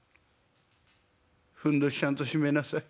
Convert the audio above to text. ふんどしちゃんと締めなさい。